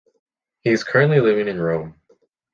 He is currently living in Rome.